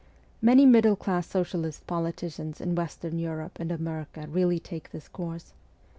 Many middle class socialist politicians in Western Europe and America really take this course.